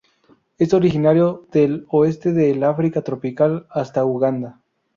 Es originario del oeste del África tropical hasta Uganda.